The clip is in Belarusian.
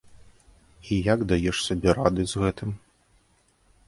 І як даеш сабе рады з гэтым?